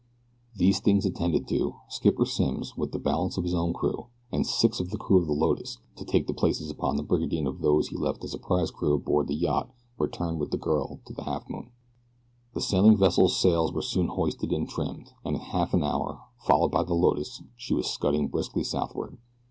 These things attended to, Skipper Simms with the balance of his own crew and six of the crew of the Lotus to take the places upon the brigantine of those left as a prize crew aboard the yacht returned with the girl to the Halfmoon. The sailing vessel's sails were soon hoisted and trimmed, and in half an hour, followed by the Lotus, she was scudding briskly southward.